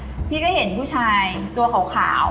หมามันเห็นผู้ชายตัวขาว